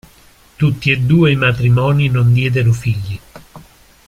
Tutti e due i matrimoni non diedero figli